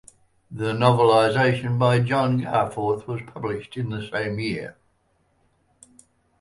The novelisation by John Garforth was published the same year.